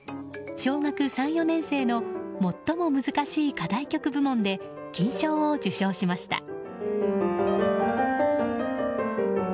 小学３、４年生の最も難しい課題曲部門で金賞を受賞しました。